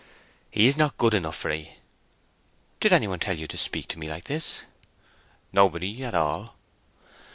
"He is not good enough for 'ee." "Did any one tell you to speak to me like this?" "Nobody at all."